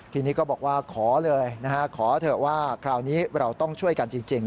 ทีนี้ก็บอกว่าขอเลยนะฮะขอเถอะว่าคราวนี้เราต้องช่วยกันจริง